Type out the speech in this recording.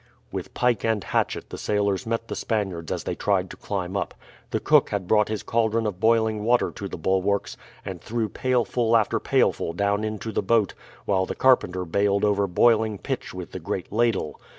With pike and hatchet the sailors met the Spaniards as they tried to climb up. The cook had brought his caldron of boiling water to the bulwarks, and threw pailful after pailful down into the boat, while the carpenter bailed over boiling pitch with the great ladle.